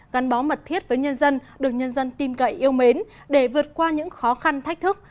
gắn bó mật thiết với nhân dân được nhân dân tin gậy yêu mến để vượt qua những khó khăn thách thức